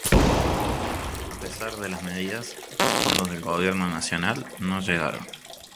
A pesar de las medidas, los fondos del Gobierno nacional no llegaron.